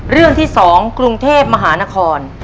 เรื่องที่๒กรุงเทพมหานคร